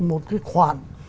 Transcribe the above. một cái khoản